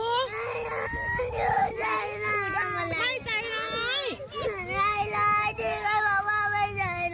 ให้ใจร้าย